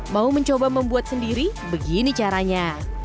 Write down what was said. mau mencoba membuat sendiri begini caranya